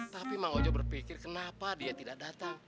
tapi mang ojo berpikir kenapa dia tidak datang